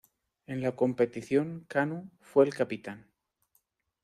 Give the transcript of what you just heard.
En la competición, Kanu fue el capitán.